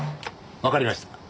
わかりました